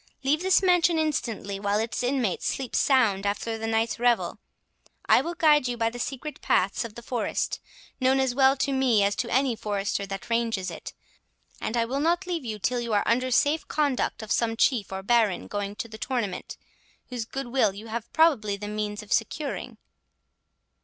Leave this mansion instantly, while its inmates sleep sound after the last night's revel. I will guide you by the secret paths of the forest, known as well to me as to any forester that ranges it, and I will not leave you till you are under safe conduct of some chief or baron going to the tournament, whose good will you have probably the means of securing."